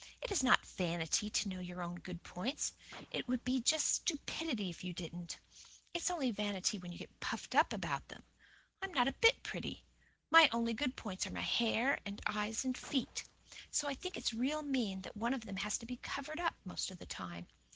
"It is not vanity to know your own good points. It would just be stupidity if you didn't. It's only vanity when you get puffed up about them. I am not a bit pretty. My only good points are my hair and eyes and feet. So I think it's real mean that one of them has to be covered up the most of the time.